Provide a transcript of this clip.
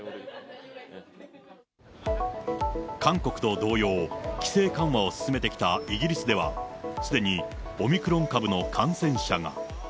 韓国と同様、規制緩和を進めてきたイギリスでは、すでにオミクロン株の感染者が。